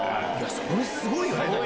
それすごいよね！